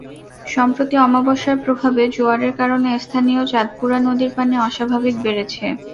সম্প্রতি অমাবস্যার প্রভাবে জোয়ারের কারণে স্থানীয় চাঁদপুরা নদীর পানি অস্বাভাবিক বেড়েছে।